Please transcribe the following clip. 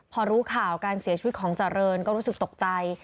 พอรู้ข่าวการเสียชีวิตของเจริญก็รู้สึกตกใจ